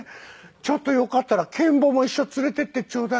ちょっとよかったらけん坊も一緒連れて行ってちょうだい。